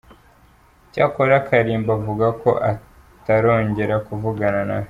Icyakora Karimba avuga ko atarongera kuvugana nawe.